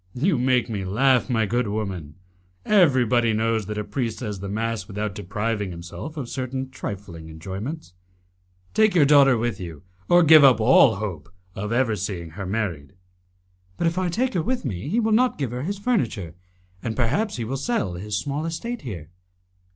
"You make me laugh, my good woman. Everybody knows that a priest says the mass without depriving himself of certain trifling enjoyments. Take your daughter with you, or give up all hope of ever seeing her married." "But if I take her with me, he will not give her his furniture, and perhaps he will sell his small estate here."